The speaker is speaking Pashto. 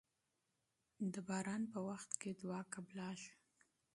د باران په وخت کې دعا قبليږي.